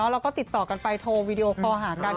แล้วก็ติดต่อกันไปโทรวีดีโอคอลหากัน